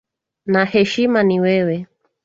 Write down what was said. Na hesima ni wewe.